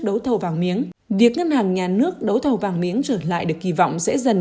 đấu thầu vàng miếng việc ngân hàng nhà nước đấu thầu vàng miếng trở lại được kỳ vọng sẽ dần